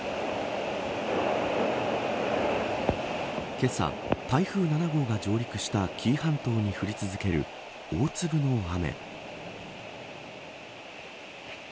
けさ台風７号が上陸した紀伊半島に降り続ける大粒の雨。